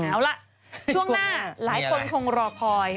เอาล่ะช่วงหน้าหลายคนคงรอคอย